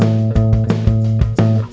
jangan sampai jadi pengacau